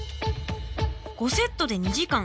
５セットで２時間。